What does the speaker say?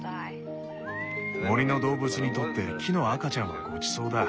森の動物にとって木の赤ちゃんはごちそうだ。